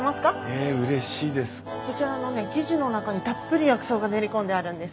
こちらのね生地の中にたっぷり薬草が練り込んであるんです。